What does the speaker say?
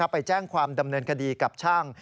ไปแจ้งความดำเนินคดีกับช่าง